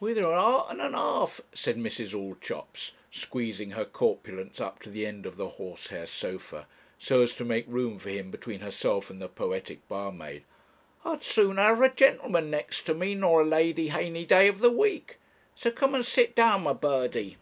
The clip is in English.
'With a 'eart and a 'alf,' said Mrs. Allchops, squeezing her corpulence up to the end of the horsehair sofa, so as to make room for him between herself and the poetic barmaid. 'I'd sooner have a gentleman next to me nor a lady hany day of the week; so come and sit down, my birdie.'